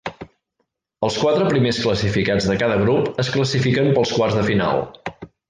Els quatre primers classificats de cada grup es classifiquen per als quarts de final.